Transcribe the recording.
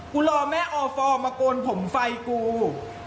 รอแม่ออฟอร์มาโกนผมไฟกู